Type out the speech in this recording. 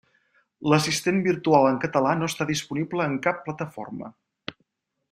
L'assistent virtual en català no està disponible en cap plataforma.